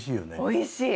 おいしい！